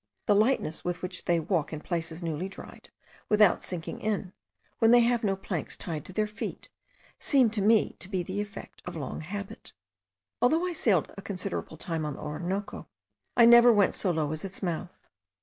The lightness with which they walk in places newly dried, without sinking in, when even they have no planks tied to their feet, seemed to me the effect of long habit. Though I sailed a considerable time on the Orinoco, I never went so low as its mouth.